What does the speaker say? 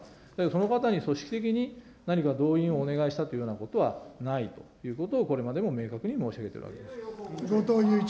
その方に組織的に何か動員をお願いしたっていうようなことはないということをこれまでも明確に申し上げているわけです。